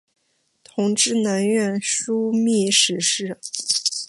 同知南院枢密使事。